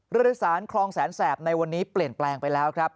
เรือโดยสารคลองแสนแสบในวันนี้เปลี่ยนแปลงไปแล้วครับ